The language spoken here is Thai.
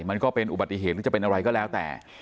มันก็เป็นอุบัติเหตุหรือจะเป็นอะไรก็แล้วแต่